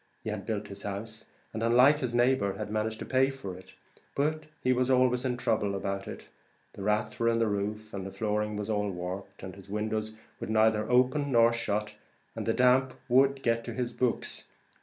He had built his house, and, unlike his neighbour, had managed to pay for it; but he was always in trouble about it; the rats were in the roof, and his flooring was all warped, and his windows would neither open nor shut, and the damp would get to his books.